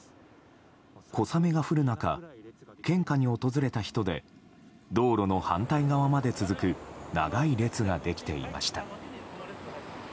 小雨が降る中、献花に訪れた人で道路の反対側まで続く長い列ができていました。